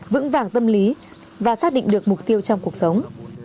vững vàng tâm lý và xác định được mục tiêu trong cuộc sống